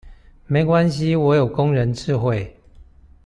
沒關係我有工人智慧